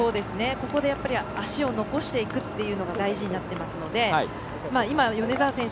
ここで足を残していくというのが大事になっていますので今、米澤選手